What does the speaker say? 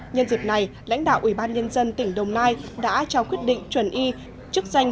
nhân dịp này lãnh đạo ủy ban nhân dân tỉnh đồng nai đã trao quyết định chuẩn y chức danh